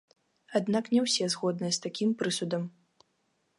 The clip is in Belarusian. Аднак не ўсе згодныя з такім прысудам.